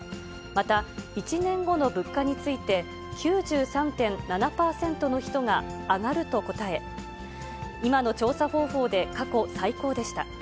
また１年後の物価について、９３．７％の人が上がると答え、今の調査方法で過去最高でした。